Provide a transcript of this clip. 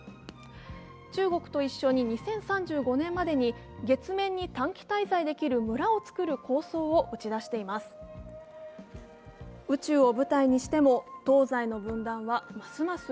中国と一緒に２０３５年までに月面に短期滞在できる村を作る構想も打ち出しています。